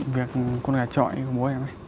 việc con gà trọi của bố em ấy